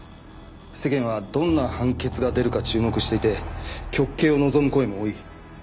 世間はどんな判決が出るか注目していて極刑を望む声も多い。